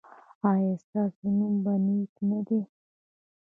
ایا ستاسو نوم نیک نه دی؟